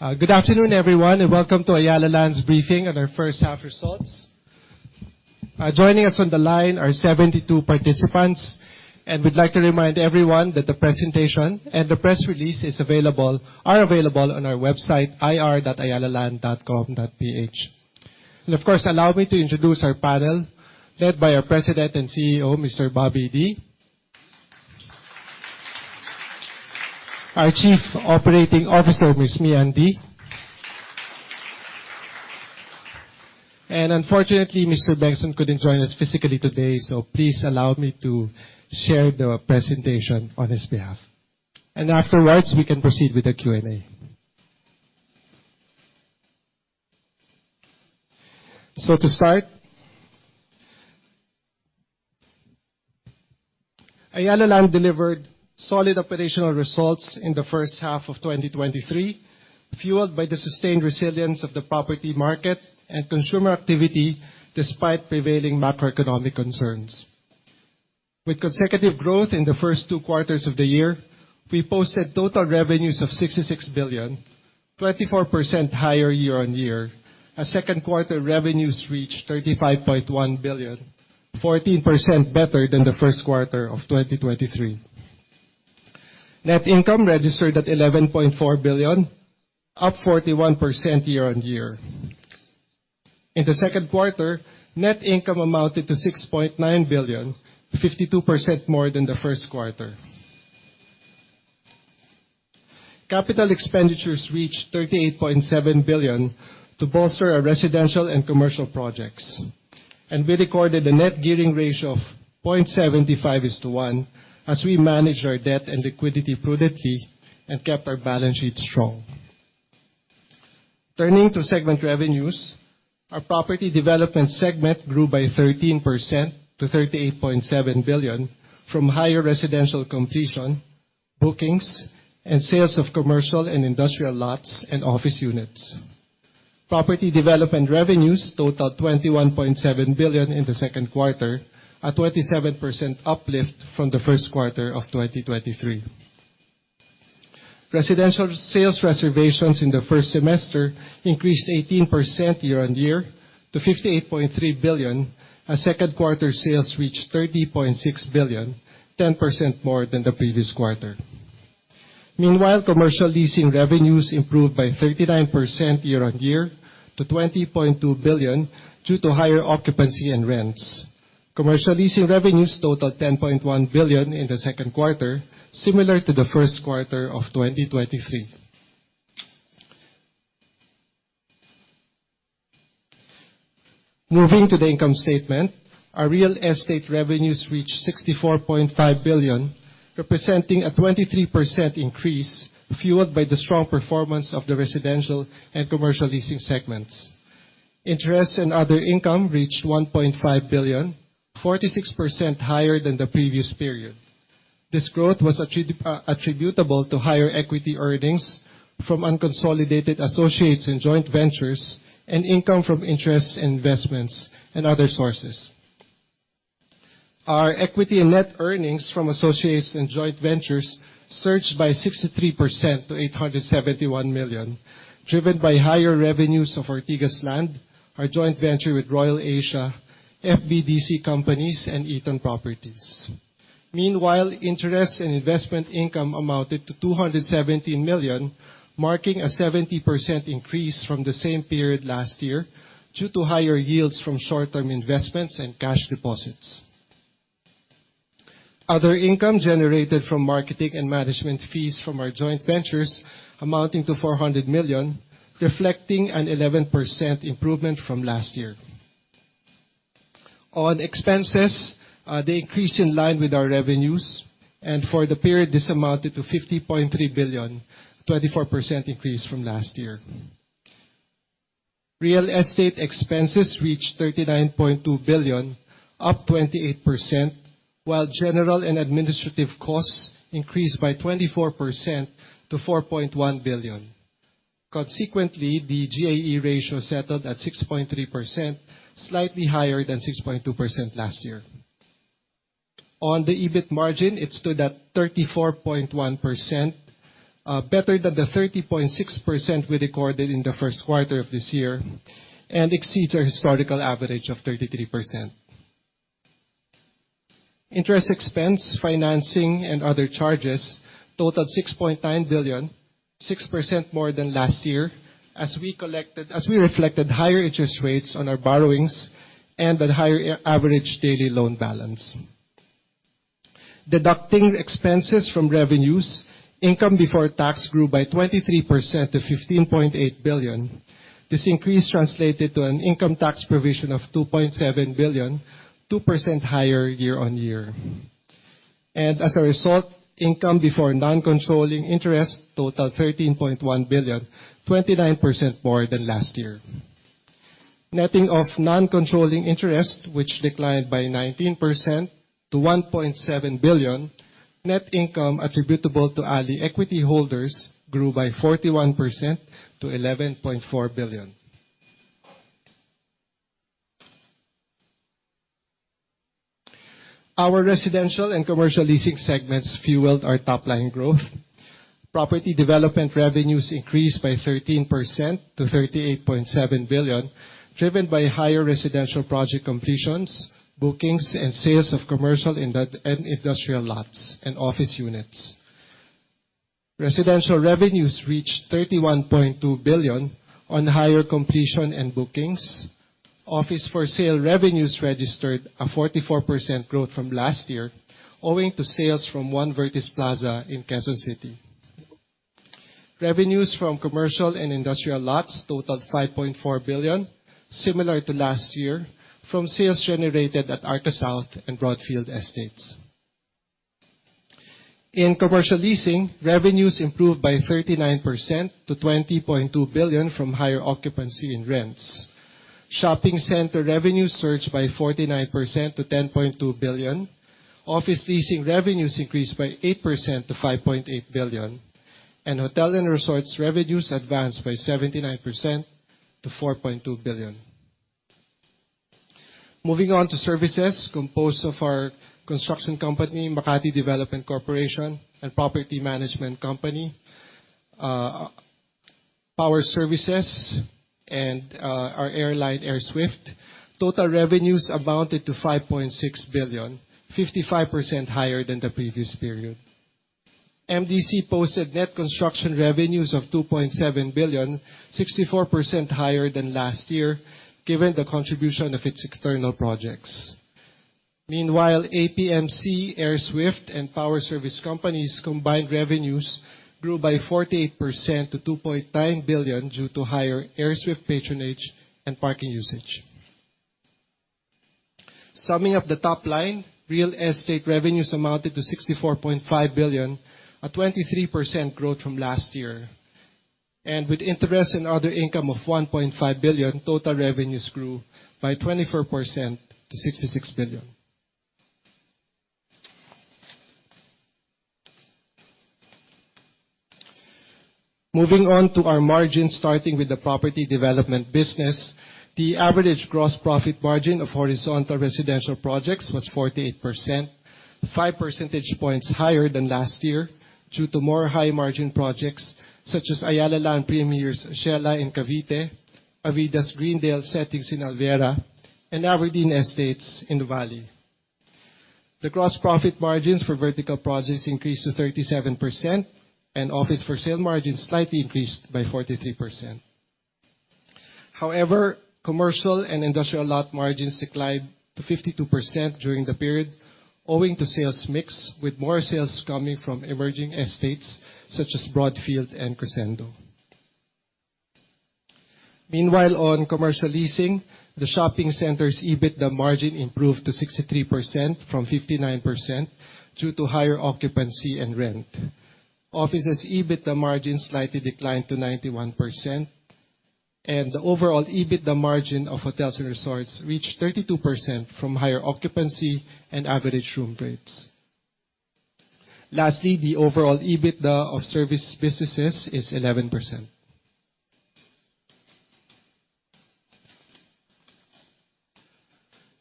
Good afternoon, everyone, and welcome to Ayala Land's briefing on our first half results. Joining us on the line are 72 participants. We would like to remind everyone that the presentation and the press release are available on our website, ir.ayalaland.com.ph. Allow me to introduce our panel, led by our President and CEO, Mr. Bobby Dy. Our Chief Operating Officer, Miss Myrean Dy. Unfortunately, Mr. Bengson couldn't join us physically today, so please allow me to share the presentation on his behalf. Afterwards, we can proceed with the Q&A. To start, Ayala Land delivered solid operational results in the first half of 2023, fueled by the sustained resilience of the property market and consumer activity despite prevailing macroeconomic concerns. With consecutive growth in the first two quarters of the year, we posted total revenues of 66 billion, 24% higher year-on-year. Second quarter revenues reached 35.1 billion, 14% better than the first quarter of 2023. Net income registered at 11.4 billion, up 41% year-on-year. In the second quarter, net income amounted to 6.9 billion, 52% more than the first quarter. Capital expenditures reached 38.7 billion to bolster our residential and commercial projects. We recorded a net gearing ratio of 0.75 is to 1 as we managed our debt and liquidity prudently and kept our balance sheet strong. Turning to segment revenues, our property development segment grew by 13% to 38.7 billion from higher residential completion, bookings, and sales of commercial and industrial lots and office units. Property development revenues totaled 21.7 billion in the second quarter, a 27% uplift from the first quarter of 2023. Residential sales reservations in the first semester increased 18% year-on-year to 58.3 billion, as second quarter sales reached 30.6 billion, 10% more than the previous quarter. Meanwhile, commercial leasing revenues improved by 39% year-on-year to 20.2 billion due to higher occupancy and rents. Commercial leasing revenues totaled 10.1 billion in the second quarter, similar to the first quarter of 2023. Moving to the income statement, our real estate revenues reached 64.5 billion, representing a 23% increase fueled by the strong performance of the residential and commercial leasing segments. Interest and other income reached 1.5 billion, 46% higher than the previous period. This growth was attributable to higher equity earnings from unconsolidated associates in joint ventures and income from interest and investments and other sources. Our equity and net earnings from associates and joint ventures surged by 63% to 871 million, driven by higher revenues of Ortigas Land, our joint venture with Royal Asia, FBDC Companies, and Eton Properties. Meanwhile, interest and investment income amounted to 217 million, marking a 70% increase from the same period last year due to higher yields from short-term investments and cash deposits. Other income generated from marketing and management fees from our joint ventures amounting to 400 million, reflecting an 11% improvement from last year. On expenses, they increased in line with our revenues. For the period, this amounted to 50.3 billion, 24% increase from last year. Real estate expenses reached PHP 39.2 billion, up 28%, while general and administrative costs increased by 24% to 4.1 billion. Consequently, the GAE ratio settled at 6.3%, slightly higher than 6.2% last year. On the EBIT margin, it stood at 34.1%, better than the 30.6% we recorded in the first quarter of this year and exceeds our historical average of 33%. Interest expense, financing, and other charges totaled 6.9 billion, 6% more than last year, as we reflected higher interest rates on our borrowings and on higher average daily loan balance. Deducting expenses from revenues, income before tax grew by 23% to 15.8 billion. This increase translated to an income tax provision of 2.7 billion, 2% higher year-on-year. As a result, income before non-controlling interest totaled 13.1 billion, 29% more than last year. Netting off non-controlling interest, which declined by 19% to 1.7 billion, net income attributable to ALI equity holders grew by 41% to 11.4 billion. Our residential and commercial leasing segments fueled our top-line growth. Property development revenues increased by 13% to 38.7 billion, driven by higher residential project completions, bookings, and sales of commercial and industrial lots and office units. Residential revenues reached 31.2 billion on higher completion and bookings. Office for sale revenues registered a 44% growth from last year, owing to sales from One Vertis Plaza in Quezon City. Revenues from commercial and industrial lots totaled 5.4 billion, similar to last year from sales generated at Arca South and Broadfield estates. In commercial leasing, revenues improved by 39% to 20.2 billion from higher occupancy and rents. Shopping center revenues surged by 49% to 10.2 billion. Office leasing revenues increased by 8% to 5.8 billion, and hotel and resorts revenues advanced by 79% to 4.2 billion. Moving on to services composed of our construction company, Makati Development Corporation, and property management company, power services, and our airline, AirSWIFT. Total revenues amounted to 5.6 billion, 55% higher than the previous period. MDC posted net construction revenues of 2.7 billion, 64% higher than last year, given the contribution of its external projects. Meanwhile, APMC, AirSWIFT, and power service companies' combined revenues grew by 48% to 2.9 billion due to higher AirSWIFT patronage and parking usage. Summing up the top line, real estate revenues amounted to 64.5 billion, a 23% growth from last year. With interest and other income of 1.5 billion, total revenues grew by 24% to 66 billion. Moving on to our margins, starting with the property development business. The average gross profit margin of horizontal residential projects was 48%, five percentage points higher than last year due to more high-margin projects such as Ayala Land Premier's Ciela in Cavite, Avida's Avida Settings Greendale in Alviera, and Averdeen Estates in Nuvali. The gross profit margins for vertical projects increased to 37%, and office for sale margins slightly increased by 43%. However, commercial and industrial lot margins declined to 52% during the period owing to sales mix, with more sales coming from emerging estates such as Broadfield and Crescendo. Meanwhile, on commercial leasing, the shopping center's EBITDA margin improved to 63% from 59% due to higher occupancy and rent. Offices' EBITDA margins slightly declined to 91%, and the overall EBITDA margin of hotels and resorts reached 32% from higher occupancy and average room rates. Lastly, the overall EBITDA of service businesses is 11%.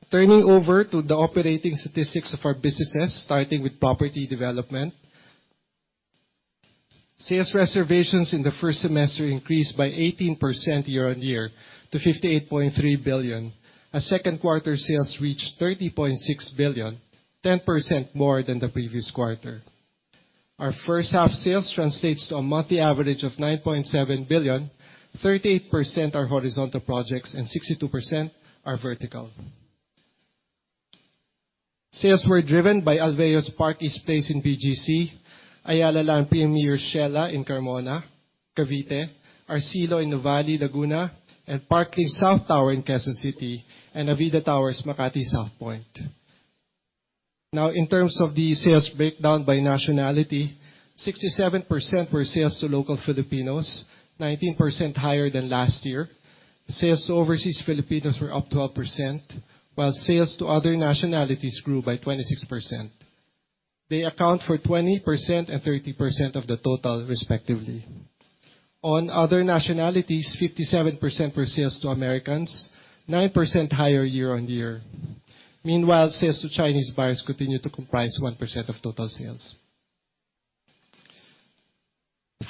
Turning over to the operating statistics of our businesses, starting with property development. Sales reservations in the first semester increased by 18% year-on-year to 58.3 billion, as second quarter sales reached 30.6 billion, 10% more than the previous quarter. Our first half sales translates to a monthly average of 9.7 billion, 38% are horizontal projects, and 62% are vertical. Sales were driven by Alveo's Park East Place in BGC, Ayala Land Premier Ciela in Carmona, Cavite, Arcilo in Nuvali, Laguna, Parklinks South Tower in Quezon City, and Avida Towers Makati Southpoint. Now, in terms of the sales breakdown by nationality, 67% were sales to local Filipinos, 19% higher than last year. Sales to overseas Filipinos were up 12%, while sales to other nationalities grew by 26%. They account for 20% and 30% of the total, respectively. On other nationalities, 57% were sales to Americans, 9% higher year-on-year. Meanwhile, sales to Chinese buyers continue to comprise 1% of total sales.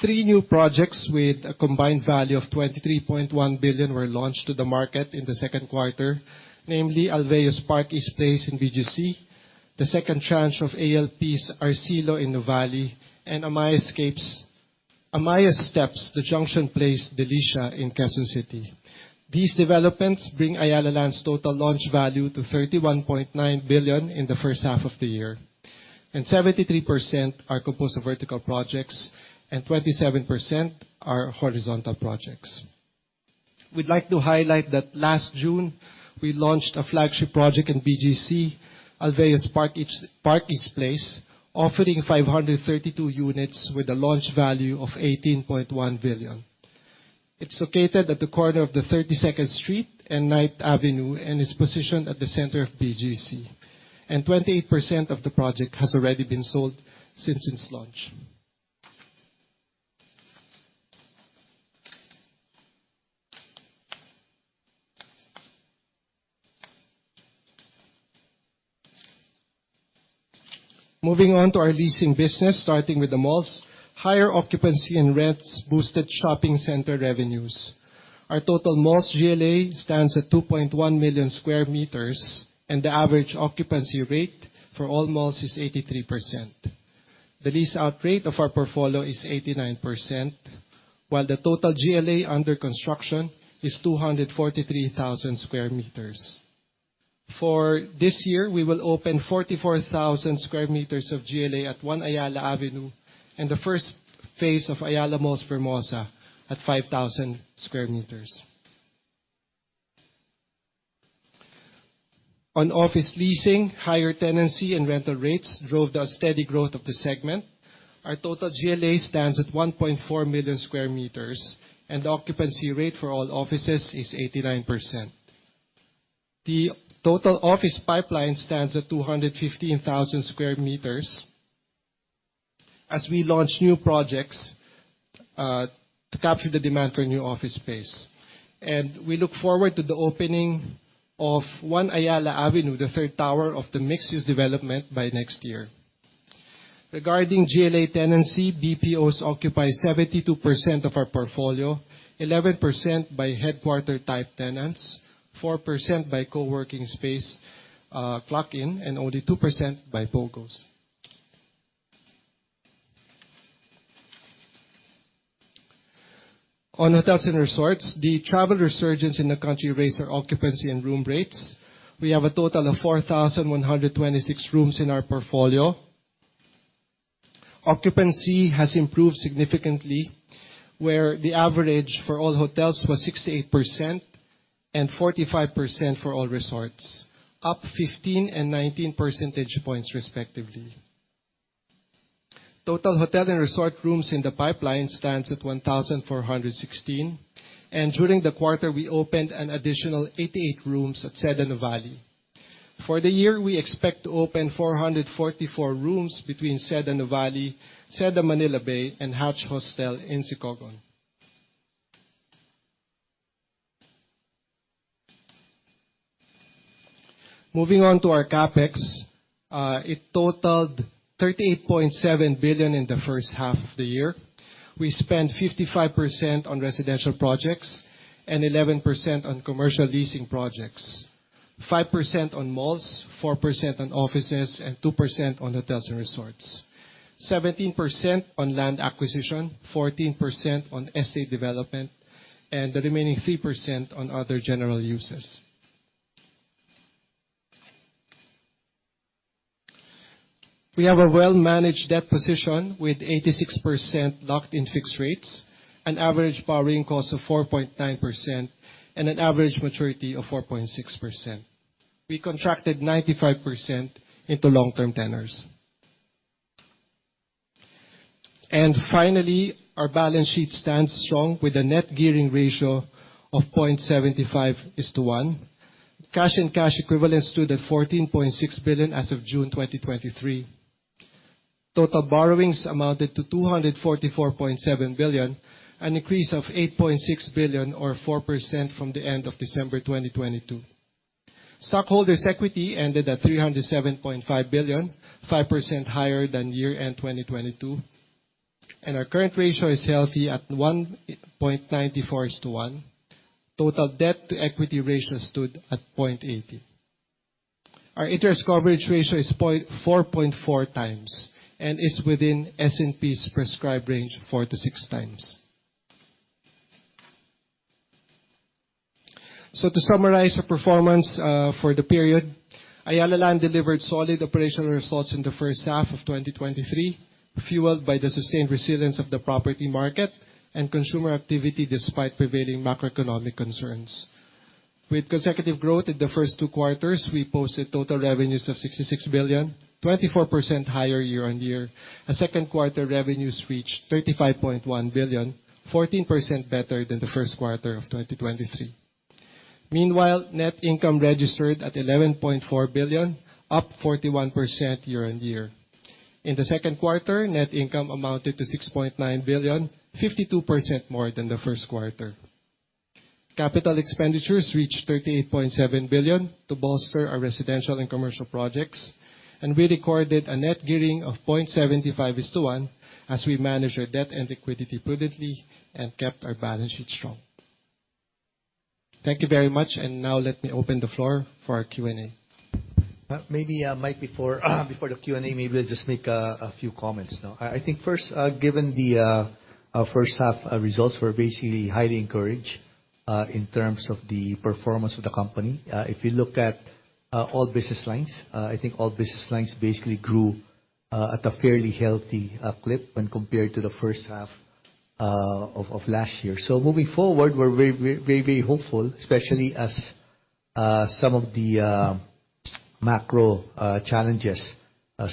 Three new projects with a combined value of 23.1 billion were launched to the market in the second quarter, namely Alveo's Park East Place in BGC, the second tranche of ALP's Arcilo in Nuvali, and Amaia Steps, The Junction Place, Delicia in Quezon City. These developments bring Ayala Land's total launch value to 31.9 billion in the first half of the year, and 73% are composed of vertical projects and 27% are horizontal projects. We'd like to highlight that last June, we launched a flagship project in BGC, Alveo's Park East Place, offering 532 units with a launch value of 18.1 billion. It's located at the corner of the 32nd Street and 9th Avenue and is positioned at the center of BGC, and 28% of the project has already been sold since its launch. Moving on to our leasing business, starting with the malls. Higher occupancy and rents boosted shopping center revenues. Our total malls GLA stands at 2.1 million sq m, and the average occupancy rate for all malls is 83%. The lease-out rate of our portfolio is 89%, while the total GLA under construction is 243,000 sq m. For this year, we will open 44,000 sq m of GLA at One Ayala and the first phase of Ayala Malls Vermosa at 5,000 sq m. On office leasing, higher tenancy and rental rates drove the steady growth of the segment. Our total GLA stands at 1.4 million sq m, and occupancy rate for all offices is 89%. The total office pipeline stands at 215,000 sq m as we launch new projects to capture the demand for new office space. We look forward to the opening of One Ayala, the third tower of the mixed-use development, by next year. Regarding GLA tenancy, BPOs occupy 72% of our portfolio, 11% by headquarter-type tenants, 4% by co-working space clock-in, and only 2% by POGOs. On hotels and resorts, the travel resurgence in the country raised our occupancy and room rates. We have a total of 4,126 rooms in our portfolio. Occupancy has improved significantly, where the average for all hotels was 68% and 45% for all resorts, up 15 and 19 percentage points respectively. Total hotel and resort rooms in the pipeline stands at 1,416, and during the quarter, we opened an additional 88 rooms at Seda Nuvali. For the year, we expect to open 444 rooms between Seda Nuvali, Seda Manila Bay, and Hatch Sicogon. Moving on to our CapEx, it totaled 38.7 billion in the first half of the year. We spent 55% on residential projects and 11% on commercial leasing projects, 5% on malls, 4% on offices, and 2% on hotels and resorts, 17% on land acquisition, 14% on SA development, and the remaining 3% on other general uses. We have a well-managed debt position with 86% locked in fixed rates, an average borrowing cost of 4.9%, and an average maturity of 4.6%. We contracted 95% into long-term tenors. Finally, our balance sheet stands strong with a net gearing ratio of 0.75 is to 1. Cash and cash equivalents stood at 14.6 billion as of June 2023. Total borrowings amounted to 244.7 billion, an increase of 8.6 billion or 4% from the end of December 2022. Stockholders' equity ended at 307.5 billion, 5% higher than year-end 2022, and our current ratio is healthy at 1.94 is to 1. Total debt to equity ratio stood at 0.18. Our interest coverage ratio is 4.4 times and is within S&P's prescribed range four to six times. To summarize the performance for the period, Ayala Land delivered solid operational results in the first half of 2023, fueled by the sustained resilience of the property market and consumer activity despite prevailing macroeconomic concerns. With consecutive growth in the first two quarters, we posted total revenues of 66 billion, 24% higher year-on-year, as second quarter revenues reached 35.1 billion, 14% better than the first quarter of 2023. Meanwhile, net income registered at 11.4 billion, up 41% year-on-year. In the second quarter, net income amounted to 6.9 billion, 52% more than the first quarter. Capital expenditures reached 38.7 billion to bolster our residential and commercial projects, we recorded a net gearing of 0.75 is to 1 as we managed our debt and liquidity prudently and kept our balance sheet strong. Thank you very much. Now let me open the floor for our Q&A. Maybe, Mike, before the Q&A, maybe I'll just make a few comments. I think first, given the first half results were basically highly encouraged in terms of the performance of the company. If you look at all business lines, I think all business lines basically grew at a fairly healthy clip when compared to the first half of last year. Moving forward, we're very hopeful, especially as some of the macro challenges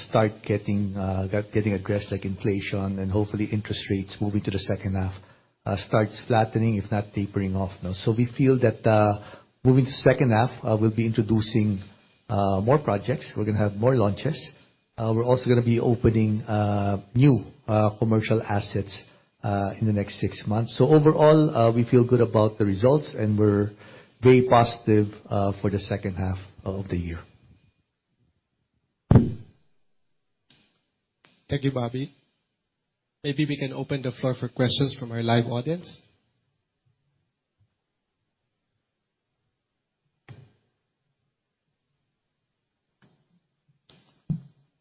start getting addressed, like inflation and hopefully interest rates moving to the second half starts flattening, if not tapering off now. We feel that moving to second half, we'll be introducing more projects, we're going to have more launches. We're also going to be opening new commercial assets in the next six months. Overall, we feel good about the results, and we're very positive for the second half of the year. Thank you, Bobby. Maybe we can open the floor for questions from our live audience.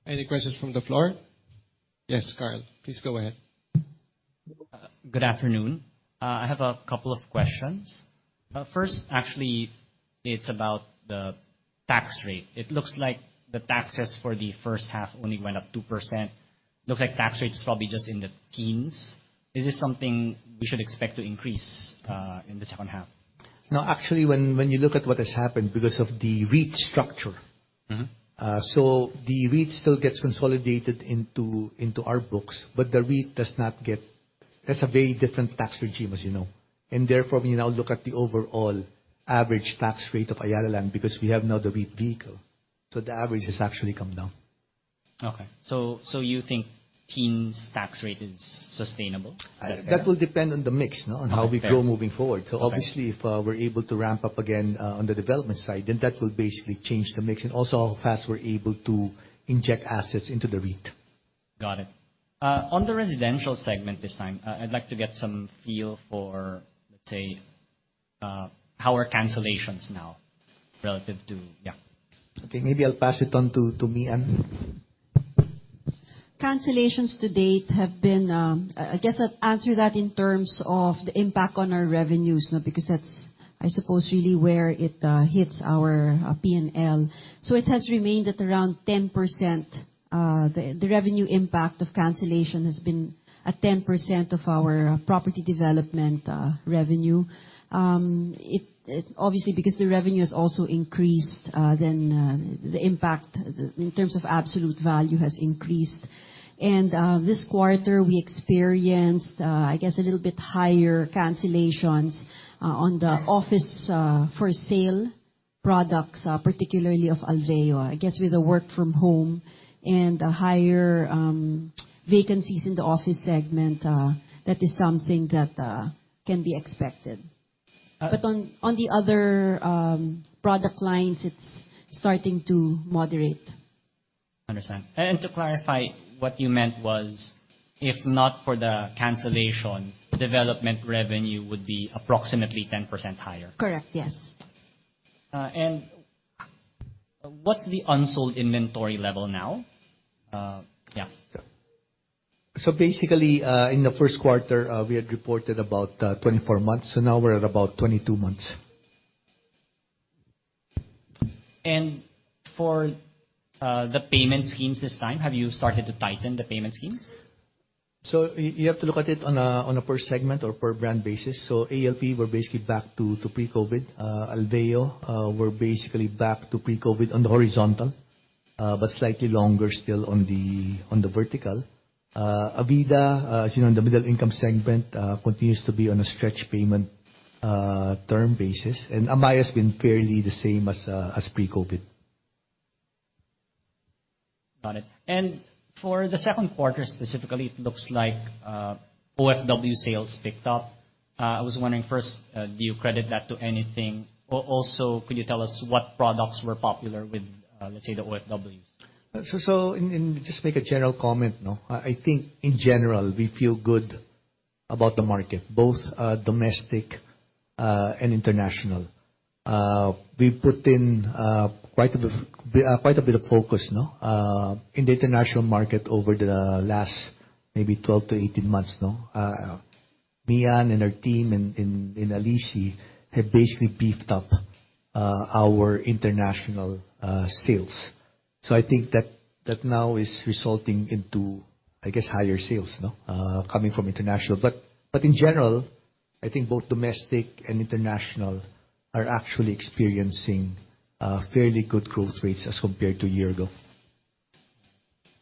Any questions from the floor? Yes, Carl, please go ahead. Good afternoon. I have a couple of questions. First, actually, it is about the tax rate. It looks like the taxes for the first half only went up 2%. Looks like tax rate is probably just in the teens. Is this something we should expect to increase in the second half? No, actually, when you look at what has happened because of the REIT structure. The REIT still gets consolidated into our books, but the REIT has a very different tax regime, as you know. Therefore, when you now look at the overall average tax rate of Ayala Land, because we have now the REIT vehicle, so the average has actually come down. Okay. You think ALI's tax rate is sustainable? That will depend on the mix and how we grow moving forward. Okay. Obviously, if we're able to ramp up again on the development side, then that will basically change the mix, and also how fast we're able to inject assets into the REIT. Got it. On the residential segment this time, I'd like to get some feel for, let's say, how are cancellations now relative to. Okay. Maybe I'll pass it on to Mian. I guess I'll answer that in terms of the impact on our revenues because that's, I suppose, really where it hits our P&L. It has remained at around 10%. The revenue impact of cancellation has been at 10% of our property development revenue. Obviously, because the revenue has also increased, the impact in terms of absolute value has increased. This quarter, we experienced, I guess, a little bit higher cancellations on the office for sale products, particularly of Alveo. I guess with the work from home and higher vacancies in the office segment, that is something that can be expected. On the other product lines, it's starting to moderate. Understand. To clarify, what you meant was, if not for the cancellations, development revenue would be approximately 10% higher. Correct. Yes. What's the unsold inventory level now? Yeah. Basically, in the first quarter, we had reported about 24 months, now we're at about 22 months. For the payment schemes this time, have you started to tighten the payment schemes? You have to look at it on a per segment or per brand basis. ALP, we're basically back to pre-COVID. Alveo, we're basically back to pre-COVID on the horizontal but slightly longer still on the vertical. Avida, as you know, in the middle income segment, continues to be on a stretch payment term basis, and Amaia's been fairly the same as pre-COVID. Got it. For the second quarter specifically, it looks like OFW sales picked up. I was wondering, first, do you credit that to anything? Also, could you tell us what products were popular with, let's say, the OFWs? Just make a general comment. I think in general, we feel good about the market, both domestic and international. We've put in quite a bit of focus in the international market over the last maybe 12-18 months. Mian and her team in Alici have basically beefed up our international sales. I think that now is resulting into, I guess, higher sales coming from international. In general, I think both domestic and international are actually experiencing fairly good growth rates as compared to a year ago.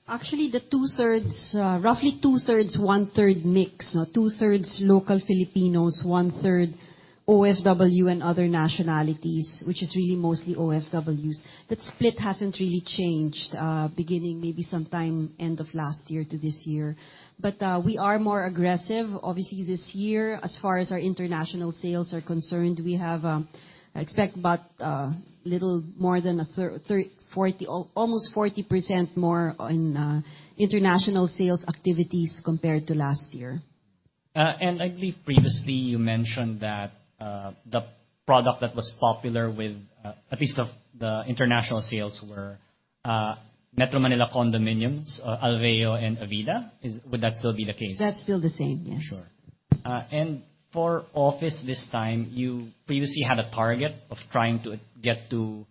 Actually, the roughly two-thirds, one-third mix. Two-thirds local Filipinos, one-third OFW and other nationalities, which is really mostly OFWs. That split hasn't really changed, beginning maybe sometime end of last year to this year. We are more aggressive, obviously, this year, as far as our international sales are concerned. We have, I expect about little more than almost 40% more in international sales activities compared to last year. I believe previously you mentioned that the product that was popular with at least of the international sales were Metro Manila condominiums, Alveo and Avida. Would that still be the case? That's still the same, yes. Sure. For office this time, you previously had a target of trying to get to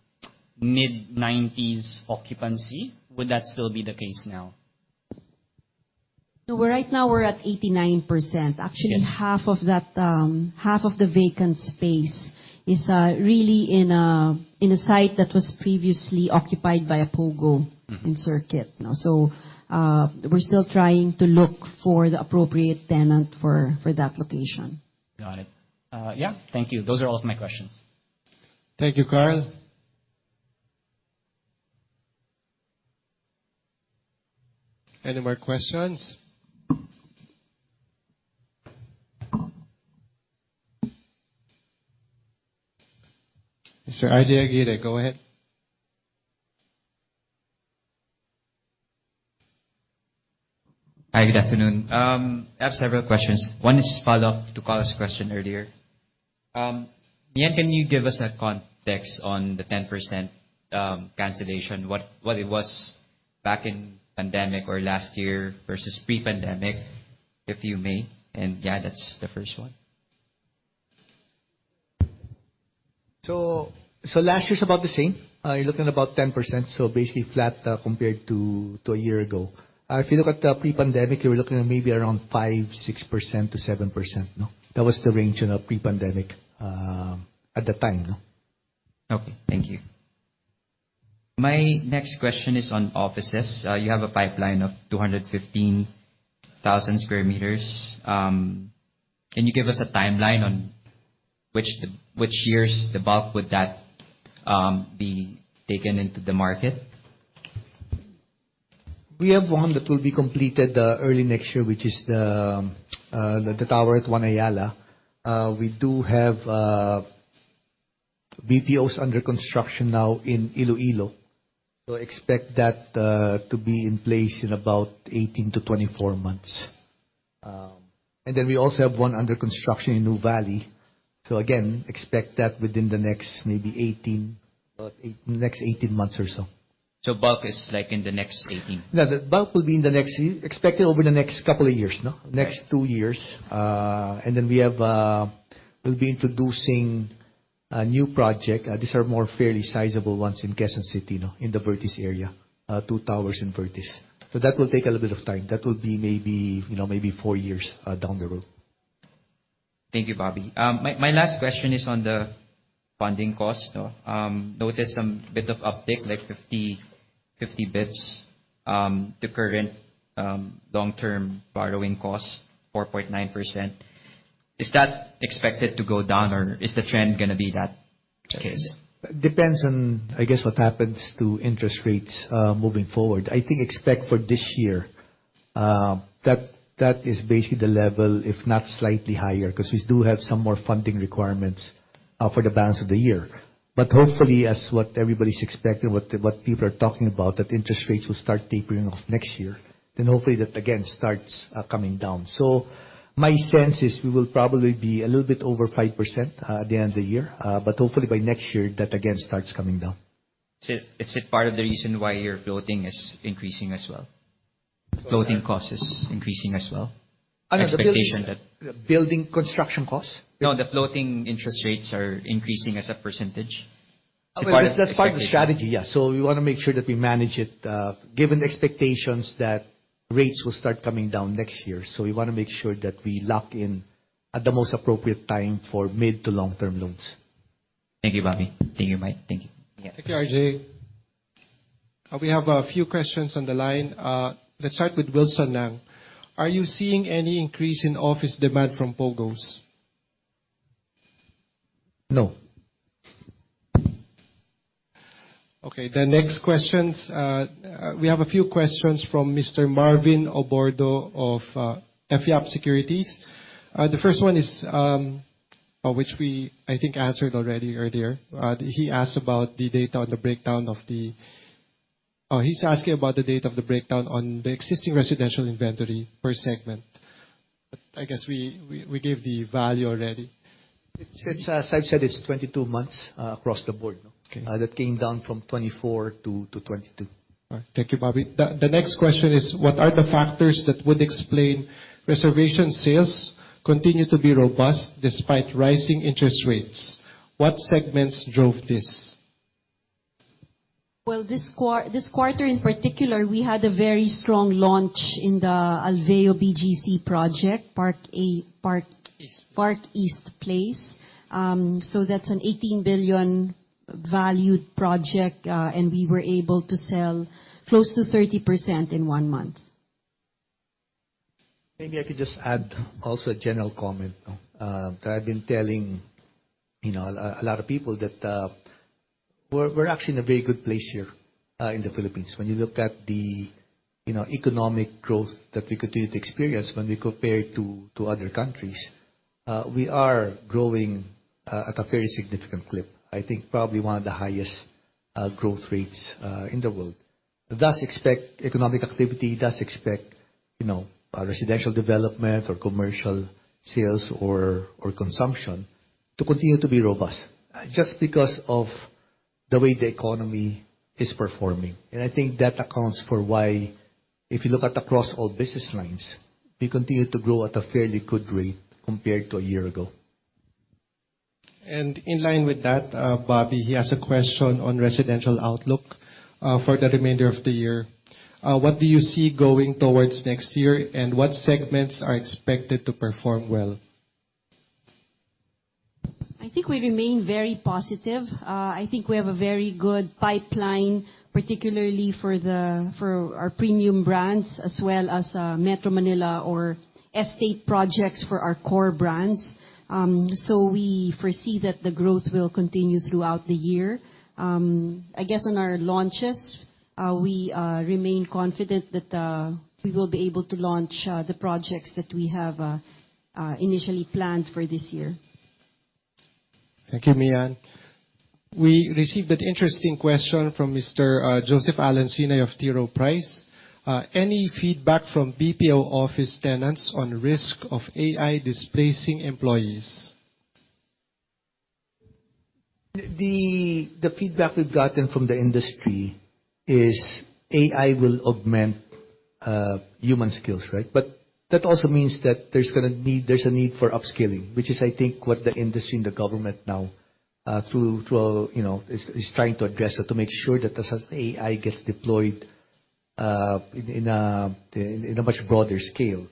mid-90s occupancy. Would that still be the case now? No, right now we're at 89%. Actually, half of the vacant space is really in a site that was previously occupied by a POGO in Circuit. We're still trying to look for the appropriate tenant for that location. Got it. Yeah. Thank you. Those are all of my questions. Thank you, Carl. Any more questions? Mr. RJ Aguirre, go ahead. Hi, good afternoon. I have several questions. One is follow-up to Carl's question earlier. Ian, can you give us a context on the 10% cancellation, what it was back in pandemic or last year versus pre-pandemic, if you may, and yeah, that's the first one. Last year's about the same. You're looking at about 10%, so basically flat compared to a year ago. If you look at pre-pandemic, you're looking at maybe around 5%, 6%-7%. That was the range pre-pandemic at that time. Okay. Thank you. My next question is on offices. You have a pipeline of 215,000 sq m. Can you give us a timeline on which years the bulk would that be taken into the market? We have one that will be completed early next year, which is the tower at One Ayala. We do have BTOs under construction now in Iloilo. Expect that to be in place in about 18-24 months. We also have one under construction in Nuvali. Again, expect that within the next maybe 18 months or so. Bulk is like in the next 18? No, the bulk expected over the next couple of years. Right. Next two years. We'll be introducing a new project. These are more fairly sizable ones in Quezon City, in the Vertis area, two towers in Vertis. That will take a little bit of time. That will be maybe four years down the road. Thank you, Bobby. My last question is on the funding cost. Noticed a bit of uptick, like 50 basis points. The current long-term borrowing cost, 4.9%. Is that expected to go down, or is the trend going to be that case? Depends on, I guess, what happens to interest rates moving forward. I think expect for this year, that is basically the level, if not slightly higher, because we do have some more funding requirements for the balance of the year. Hopefully, as what everybody's expecting, what people are talking about, that interest rates will start tapering off next year, then hopefully that, again, starts coming down. My sense is we will probably be a little bit over 5% at the end of the year. Hopefully by next year, that again starts coming down. Is it part of the reason why your floating is increasing as well? Floating cost is increasing as well? Expectation that- Building construction cost? No, the floating interest rates are increasing as a percentage. That's part of the strategy, yeah. We want to make sure that we manage it, given the expectations that rates will start coming down next year. We want to make sure that we lock in at the most appropriate time for mid to long-term loans. Thank you, Bobby. Thank you, Mike. Thank you. Thank you, RJ. We have a few questions on the line. Let's start with Wilson Lang. Are you seeing any increase in office demand from POGOs? No. The next questions. We have a few questions from Mr. Marvin Obordo of F. Yap Securities. The first one is, which we, I think, answered already earlier. He's asking about the date of the breakdown on the existing residential inventory per segment. I guess we gave the value already. As I've said, it's 22 months across the board. Okay. That came down from 24 to 22. All right. Thank you, Bobby. The next question is, what are the factors that would explain reservation sales continue to be robust despite rising interest rates? What segments drove this? Well, this quarter in particular, we had a very strong launch in the Alveo BGC project. East Park East Place. That's an 18 billion valued project, and we were able to sell close to 30% in one month. Maybe I could just add also a general comment. I've been telling a lot of people that we're actually in a very good place here in the Philippines. When you look at the economic growth that we continue to experience when we compare it to other countries, we are growing at a very significant clip. I think probably one of the highest growth rates in the world. Thus expect economic activity, thus expect residential development or commercial sales or consumption to continue to be robust, just because of the way the economy is performing. I think that accounts for why, if you look at across all business lines, we continue to grow at a fairly good rate compared to a year ago. In line with that, Bobby, he has a question on residential outlook for the remainder of the year. What do you see going towards next year, and what segments are expected to perform well? I think we remain very positive. I think we have a very good pipeline, particularly for our premium brands, as well as Metro Manila or estate projects for our core brands. We foresee that the growth will continue throughout the year. I guess on our launches, we remain confident that we will be able to launch the projects that we have initially planned for this year. Thank you, Mian. We received an interesting question from Mr. Joseph Alcine of T. Rowe Price. Any feedback from BPO office tenants on risk of AI displacing employees? The feedback we've gotten from the industry is AI will augment human skills, right? That also means that there's a need for upskilling, which is, I think, what the industry and the government now is trying to address, to make sure that as AI gets deployed in a much broader scale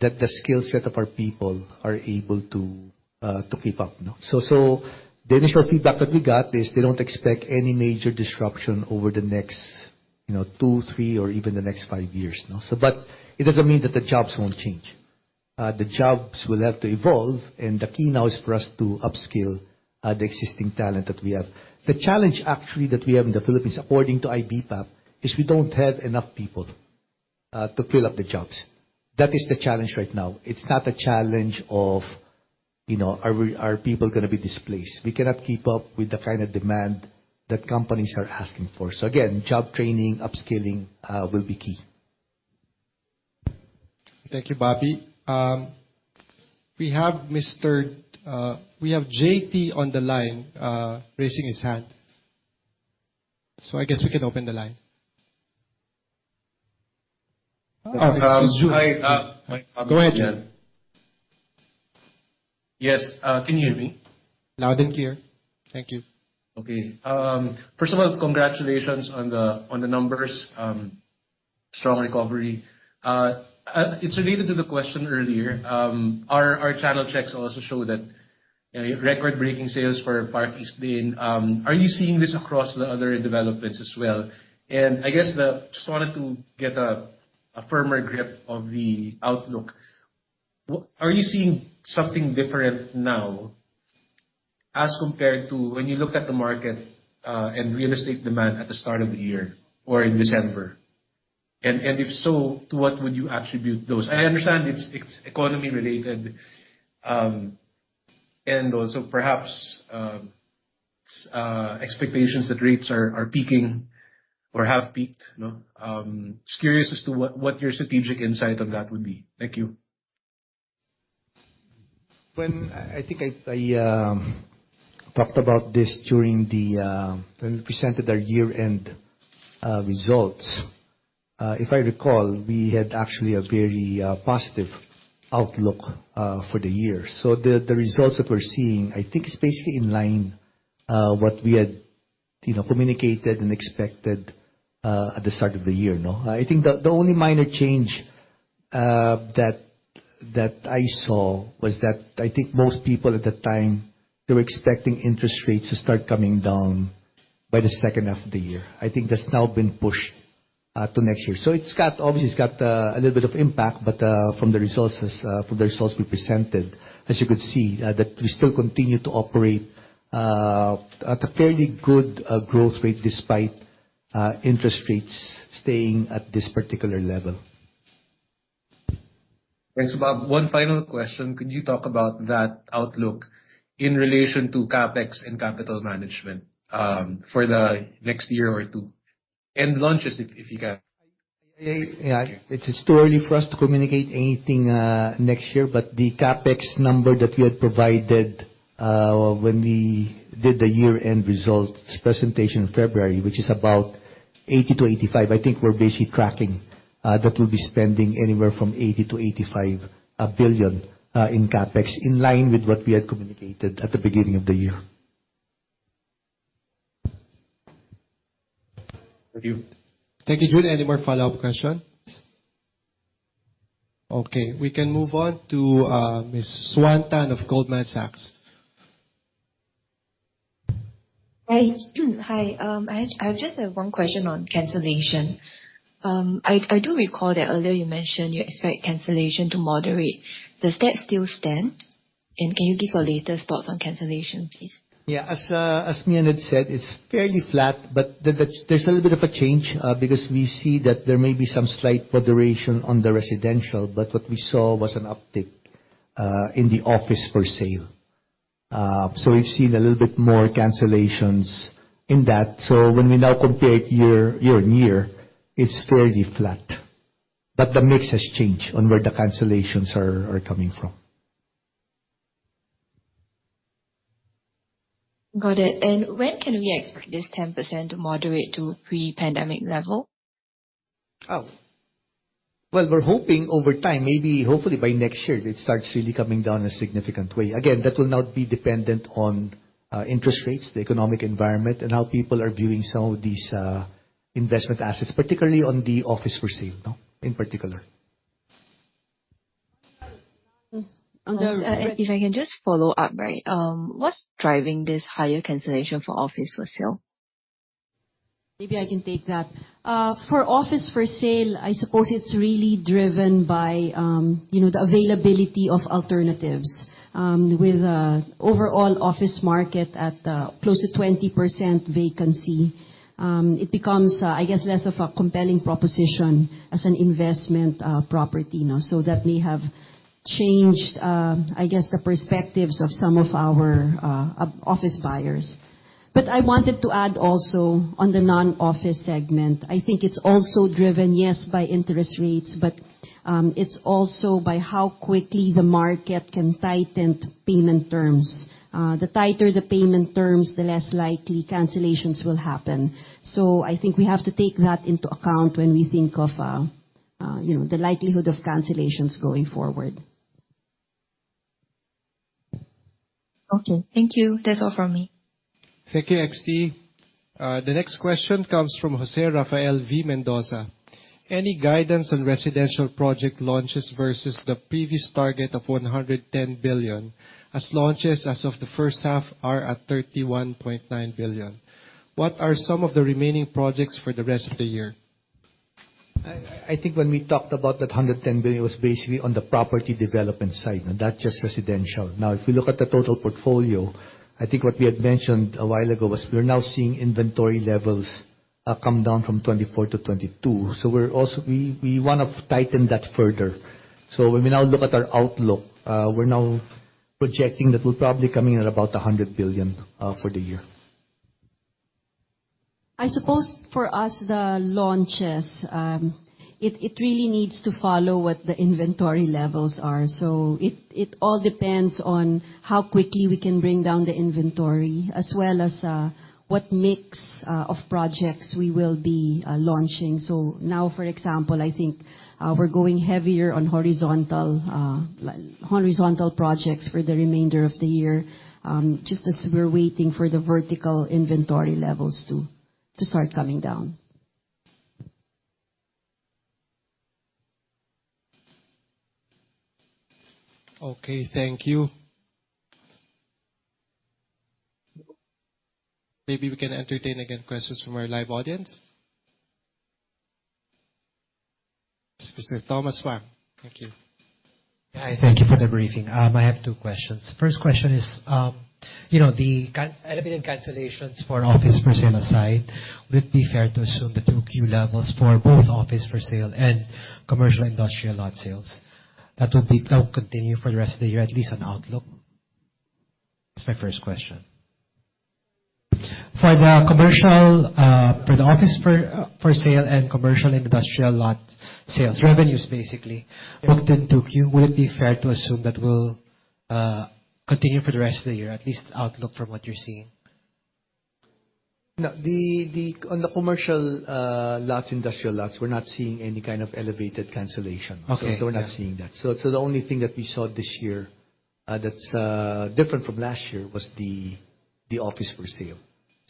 that the skill set of our people are able to keep up. The initial feedback that we got is they don't expect any major disruption over the next two, three, or even the next five years. It doesn't mean that the jobs won't change. The jobs will have to evolve, and the key now is for us to upskill the existing talent that we have. The challenge actually that we have in the Philippines, according to IBPAP, is we don't have enough people to fill up the jobs. That is the challenge right now. It's not a challenge of are people going to be displaced? We cannot keep up with the kind of demand that companies are asking for. Again, job training, upskilling will be key. Thank you, Bobby. We have JT on the line raising his hand. I guess we can open the line. Hi. Go ahead, Jun. Yes. Can you hear me? Loud and clear. Thank you. Okay. First of all, congratulations on the numbers, strong recovery. It's related to the question earlier. Our channel checks also show that record-breaking sales for Park East Place. Are you seeing this across the other developments as well? I guess I just wanted to get a firmer grip of the outlook. Are you seeing something different now as compared to when you looked at the market and real estate demand at the start of the year or in December? If so, to what would you attribute those? I understand it's economy related, and also perhaps expectations that rates are peaking or have peaked. Just curious as to what your strategic insight on that would be. Thank you. I think I talked about this when we presented our year-end results. If I recall, we had actually a very positive outlook for the year. The results that we're seeing, I think is basically in line what we had communicated and expected at the start of the year. I think the only minor change that I saw was that I think most people at that time, they were expecting interest rates to start coming down by the second half of the year. I think that's now been pushed to next year. It's obviously got a little bit of impact, but from the results we presented, as you could see, that we still continue to operate at a fairly good growth rate despite interest rates staying at this particular level. Thanks, Bob. One final question. Could you talk about that outlook in relation to CapEx and capital management for the next year or two? Launches if you can. It's too early for us to communicate anything next year, but the CapEx number that we had provided when we did the year-end results presentation in February, which is about 80 billion-85 billion. I think we're basically tracking that we'll be spending anywhere from 80 billion-85 billion in CapEx, in line with what we had communicated at the beginning of the year. Thank you. Thank you, Jun. Any more follow-up questions? Okay, we can move on to Ms. Swan Tan of Goldman Sachs. Hi. I just have one question on cancellation. I do recall that earlier you mentioned you expect cancellation to moderate. Does that still stand? Can you give your latest thoughts on cancellation, please? Yeah. As Mian had said, it's fairly flat, but there's a little bit of a change because we see that there may be some slight moderation on the residential, but what we saw was an uptick in the office for sale. We've seen a little bit more cancellations in that. When we now compare it year-on-year, it's fairly flat, but the mix has changed on where the cancellations are coming from. Got it. When can we expect this 10% to moderate to pre-pandemic level? Well, we're hoping over time, maybe hopefully by next year, it starts really coming down a significant way. That will now be dependent on interest rates, the economic environment, and how people are viewing some of these investment assets, particularly on the office for sale in particular. If I can just follow up. What's driving this higher cancellation for office for sale? Maybe I can take that. For office for sale, I suppose it's really driven by the availability of alternatives. With overall office market at close to 20% vacancy, it becomes, I guess, less of a compelling proposition as an investment property. That may have changed, I guess, the perspectives of some of our office buyers. I wanted to add also on the non-office segment. I think it's also driven, yes, by interest rates, but it's also by how quickly the market can tighten payment terms. The tighter the payment terms, the less likely cancellations will happen. I think we have to take that into account when we think of the likelihood of cancellations going forward. Okay. Thank you. That's all from me. Thank you, XT. The next question comes from Jose Rafael V. Mendoza. Any guidance on residential project launches versus the previous target of 110 billion, as launches as of the first half are at 31.9 billion. What are some of the remaining projects for the rest of the year? I think when we talked about that 110 billion was basically on the property development side, not just residential. Now, if we look at the total portfolio, I think what we had mentioned a while ago was we're now seeing inventory levels come down from 24 to 22. We want to tighten that further. When we now look at our outlook, we're now projecting that we'll probably coming in at about 100 billion for the year. I suppose for us, the launches, it really needs to follow what the inventory levels are. It all depends on how quickly we can bring down the inventory as well as what mix of projects we will be launching. Now, for example, I think we're going heavier on horizontal projects for the remainder of the year, just as we're waiting for the vertical inventory levels to start coming down. Okay, thank you. Maybe we can entertain again questions from our live audience. Mr. Thomas Wang. Thank you. Hi. Thank you for the briefing. I have two questions. First question is the elevated cancellations for office for sale aside, would it be fair to assume the 2Q levels for both office for sale and commercial industrial lot sales, that will continue for the rest of the year, at least on outlook? That's my first question. For the office for sale and commercial industrial lot sales revenues basically, booked in 2Q, would it be fair to assume that will continue for the rest of the year, at least outlook from what you're seeing? On the commercial lots, industrial lots, we're not seeing any kind of elevated cancellation. Okay. We're not seeing that. The only thing that we saw this year that's different from last year was the office for sale.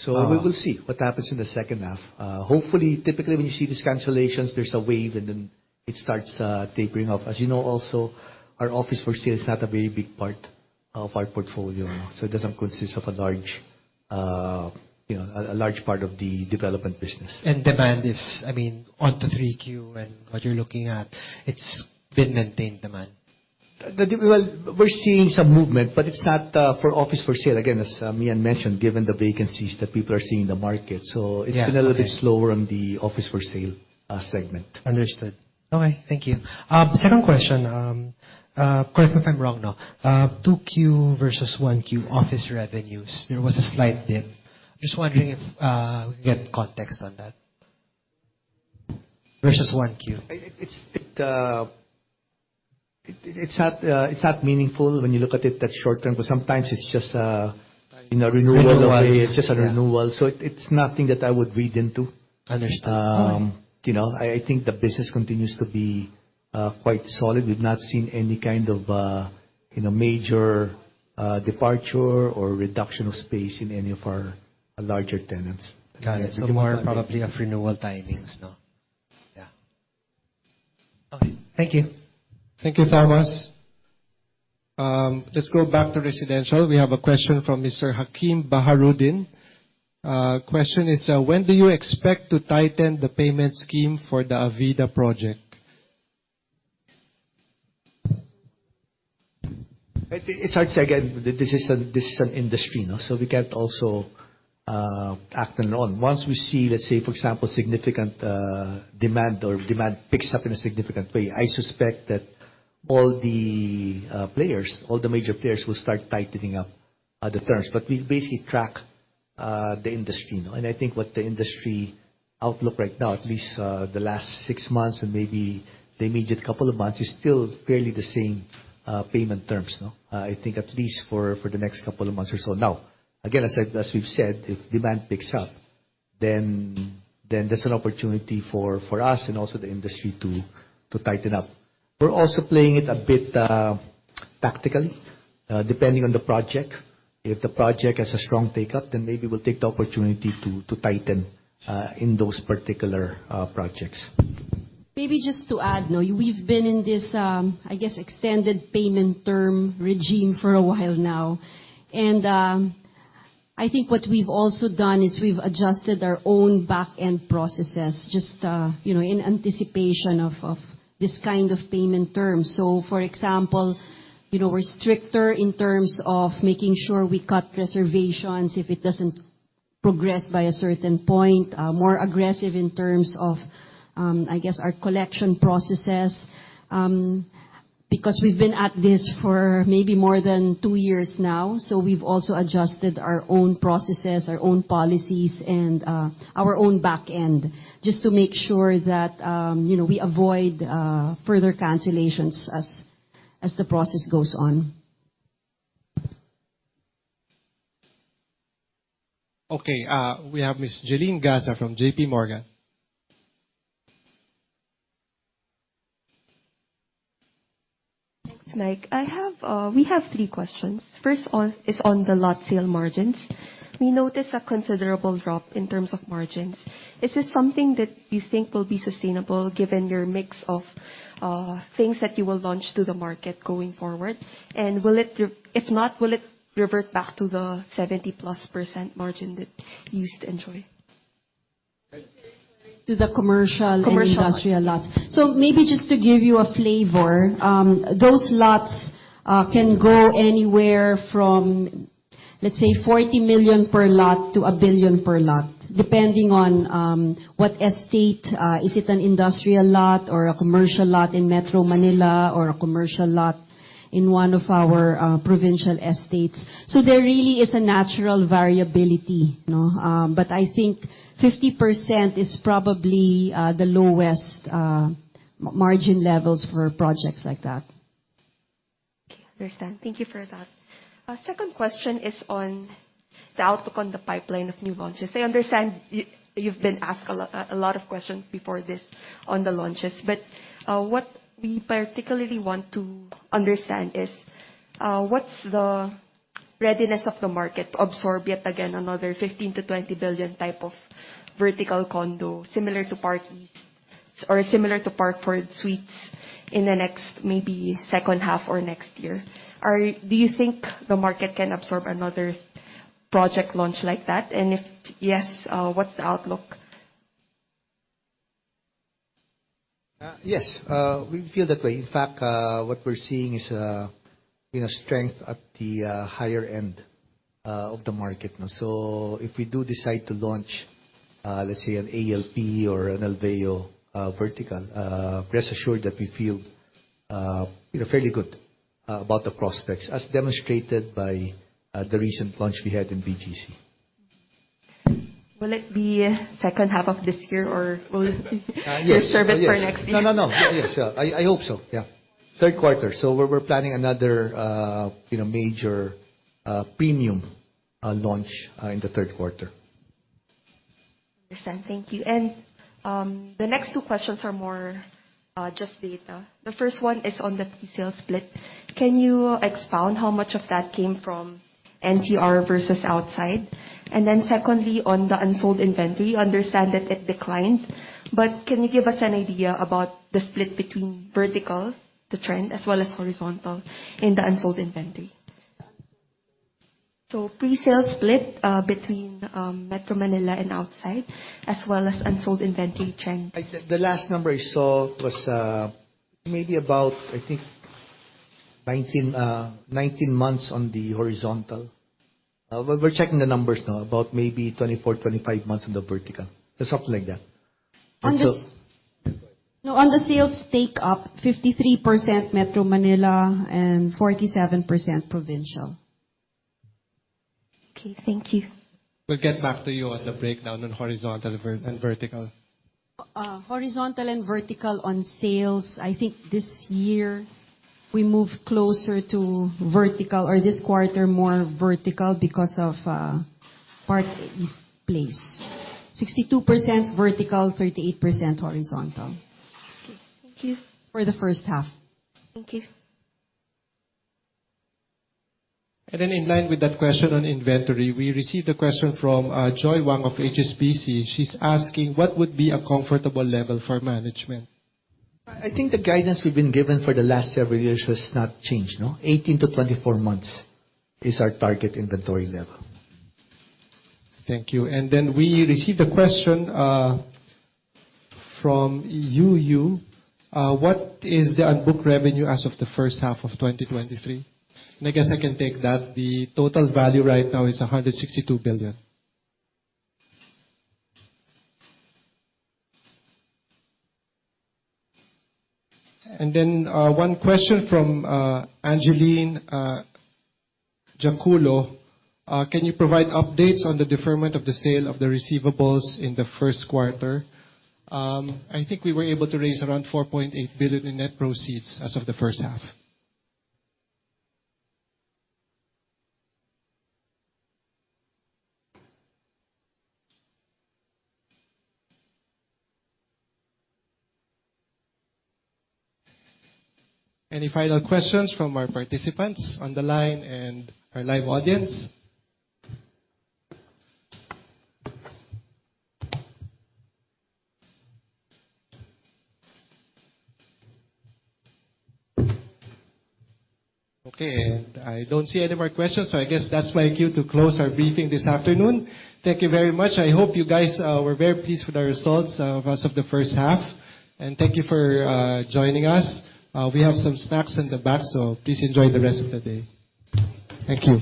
We will see what happens in the second half. Hopefully, typically, when you see these cancellations, there's a wave, and then it starts tapering off. As you know also, our office for sale is not a very big part of our portfolio. It doesn't consist of a large part of the development business. Demand is on to 3Q, and what you're looking at, it's been maintained demand? We're seeing some movement, but it's not for office for sale. Again, as Mian mentioned, given the vacancies that people are seeing in the market, so it's been a little bit slower on the office for sale segment. Understood. Okay. Thank you. Second question, correct me if I'm wrong. 2Q versus 1Q office revenues, there was a slight dip. I'm just wondering if we can get context on that versus 1Q. It's not meaningful when you look at it that short-term, because sometimes it's just a renewal of. Renewal wise It is just a renewal. It is nothing that I would read into. Understood. All right. I think the business continues to be quite solid. We have not seen any kind of major departure or reduction of space in any of our larger tenants. Got it. More probably of renewal timings. Yeah. Okay, thank you. Thank you, Thomas. Let's go back to residential. We have a question from Mr. Hakeem Baharudin. Question is: When do you expect to tighten the payment scheme for the Avida project? It's hard to say. Again, this is an industry, we can't also act alone. Once we see, let's say, for example, significant demand or demand picks up in a significant way, I suspect that all the major players will start tightening up the terms. We basically track the industry. I think what the industry outlook right now, at least the last six months and maybe the immediate couple of months, is still fairly the same payment terms. I think at least for the next couple of months or so. Again, as we've said, if demand picks up, then that's an opportunity for us and also the industry to tighten up. We're also playing it a bit tactically, depending on the project. If the project has a strong take-up, then maybe we'll take the opportunity to tighten in those particular projects. Maybe just to add, we've been in this, I guess, extended payment term regime for a while now. I think what we've also done is we've adjusted our own back-end processes just in anticipation of this kind of payment terms. For example, we're stricter in terms of making sure we cut reservations if it doesn't progress by a certain point, more aggressive in terms of our collection processes. Because we've been at this for maybe more than two years now, so we've also adjusted our own processes, our own policies, and our own back-end just to make sure that we avoid further cancellations as the process goes on. Okay. We have Ms. Gelene Gaza from J.P. Morgan. Thanks, Mike. We have three questions. First is on the lot sale margins. We noticed a considerable drop in terms of margins. Is this something that you think will be sustainable given your mix of things that you will launch to the market going forward? If not, will it revert back to the 70-plus % margin that you used to enjoy? To the commercial and industrial lots. Commercial lots. Maybe just to give you a flavor, those lots can go anywhere from, let's say 40 million per lot to 1 billion per lot, depending on what estate. Is it an industrial lot or a commercial lot in Metro Manila or a commercial lot in one of our provincial estates? There really is a natural variability. I think 50% is probably the lowest margin levels for projects like that. Okay, understand. Thank you for that. Second question is on the outlook on the pipeline of new launches. I understand you've been asked a lot of questions before this on the launches. What we particularly want to understand is, what's the readiness of the market to absorb, yet again, another 15 billion-20 billion type of vertical condo similar to Park East or similar to Parkford Suites in the next maybe second half or next year? Do you think the market can absorb another project launch like that? If yes, what's the outlook? Yes. We feel that way. In fact, what we're seeing is strength at the higher end of the market. If we do decide to launch, let's say, an ALP or an Alveo vertical, rest assured that we feel fairly good about the prospects, as demonstrated by the recent launch we had in BGC. Will it be second half of this year or will it save it for next year? No, yes. I hope so. Yeah. Third quarter. We're planning another major premium launch in the third quarter. Understand. Thank you. The next two questions are more just data. The first one is on the pre-sale split. Can you expound how much of that came from NCR versus outside? Secondly, on the unsold inventory, understand that it declined, but can you give us an idea about the split between vertical, the trend, as well as horizontal in the unsold inventory? Pre-sale split between Metro Manila and outside, as well as unsold inventory trend. The last number I saw was maybe about, I think, 19 months on the horizontal. We're checking the numbers now, about maybe 24, 25 months on the vertical, or something like that. On the sales take-up, 53% Metro Manila and 47% provincial. Okay, thank you. We'll get back to you on the breakdown on horizontal and vertical. Horizontal and vertical on sales, I think this year we moved closer to vertical or this quarter more vertical because of Park East Place. 62% vertical, 38% horizontal. Okay. Thank you. For the first half. Thank you. In line with that question on inventory, we received a question from Joy Wang of HSBC. She's asking: What would be a comfortable level for management? I think the guidance we've been given for the last several years has not changed. 18-24 months is our target inventory level. Thank you. We received a question from Yu Yu: What is the unbooked revenue as of the first half of 2023? I guess I can take that. The total value right now is 162 billion. One question from Angeline Giaculo: Can you provide updates on the deferment of the sale of the receivables in the first quarter? I think we were able to raise around 4.8 billion in net proceeds as of the first half. Any final questions from our participants on the line and our live audience? Okay. I don't see any more questions, so I guess that's my cue to close our briefing this afternoon. Thank you very much. I hope you guys were very pleased with our results as of the first half. Thank you for joining us. We have some snacks in the back, so please enjoy the rest of the day. Thank you